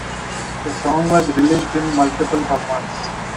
The song was released in multiple formats.